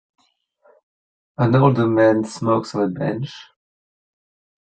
An older man smokes on a bench.